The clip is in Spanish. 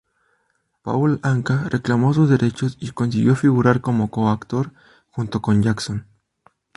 Paul Anka reclamó sus derechos y consiguió figurar como co-autor junto con Jackson.